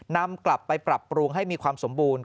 นำกลับไปปรับปรุงให้มีความสมบูรณ